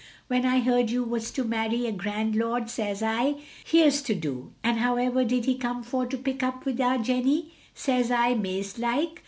When I heard you was to marry a grand lord, says I, here 's a to do, and however did he come for to pick up with our Jenny! says I, mazed like.